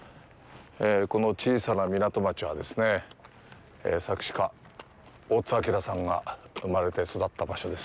この小さな港町はですね、作詞家・大津あきらさんが生まれて育った場所です。